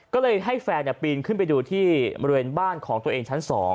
ก็เลยให้แฟนปีนขึ้นไปดูที่บริเวณบ้านของตัวเองชั้น๒